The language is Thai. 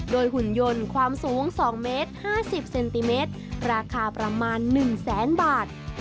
หุ่นยนต์ความสูง๒เมตร๕๐เซนติเมตรราคาประมาณ๑แสนบาท